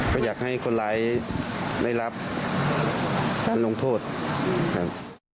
ก็อยากให้คนร้ายได้รับการลงโทษครับ